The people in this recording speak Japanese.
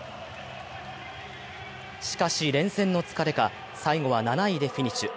しかし、連戦の疲れか最後は７位でフィニッシュ。